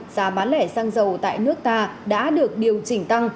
giá bán lẻ xăng dầu tại nước ta đã được điều chỉnh tăng